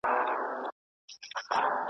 مړی نه وو یوه لویه هنګامه وه .